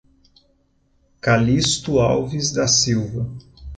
Calixto Alves da Silva